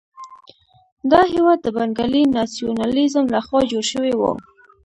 دا هېواد د بنګالي ناسیونالېزم لخوا جوړ شوی وو.